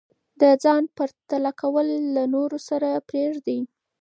د ځان پرتله کول له نورو سره پریږدئ.